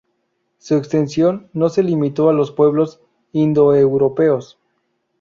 Su extensión no se limitó a los pueblos indoeuropeos.